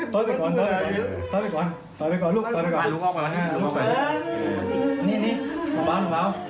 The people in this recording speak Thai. ต่อไปก่อน